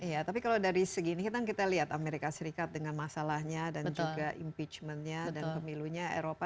iya tapi kalau dari segi ini kan kita lihat amerika serikat dengan masalahnya dan juga impeachment nya dan pemilunya eropa